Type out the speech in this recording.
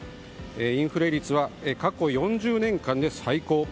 インフレ率は過去４０年間で最高。